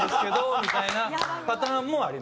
みたいなパターンもありますね。